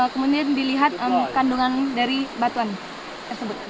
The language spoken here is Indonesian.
kemudian dilihat kandungan dari batuan tersebut